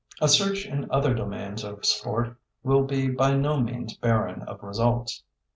A search in other domains of sport will be by no means barren of results.